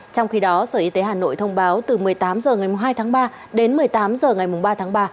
trong khi đó sở y tế hà nội thông báo từ một mươi tám h ngày hai tháng ba đến một mươi tám h ngày ba tháng ba